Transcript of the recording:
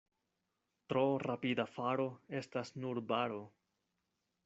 Tro rapida faro estas nur baro.